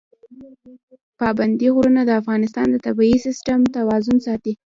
پابندی غرونه د افغانستان د طبعي سیسټم توازن ساتي.